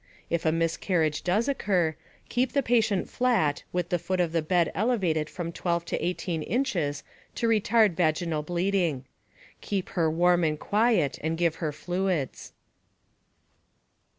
If a miscarriage does occur, keep the patient flat with the foot of the bed elevated from 12 to 18 inches to retard vaginal bleeding. Keep her warm and quiet, and give her fluids.